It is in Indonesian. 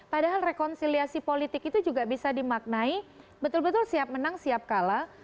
padahal rekonsiliasi politik itu juga bisa dimaknai betul betul siap menang siap kalah